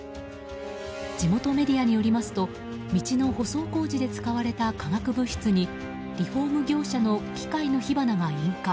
地元メディアによりますと道の舗装工事で使われた化学物質に、リフォーム業者の機械の火花が引火。